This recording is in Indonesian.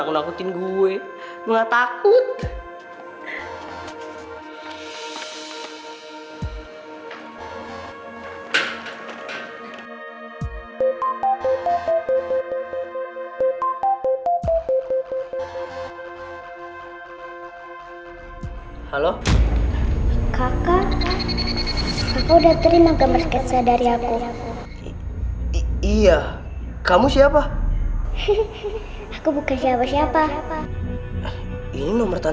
aduh apa gue kok ada disitu